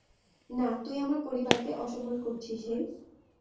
না, তুই আমার পরিবারকে অসম্মান করছিস হেই!